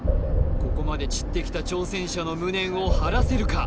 ここまで散ってきた挑戦者の無念を晴らせるか？